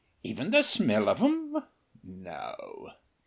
"Even the smell of 'em.... No!"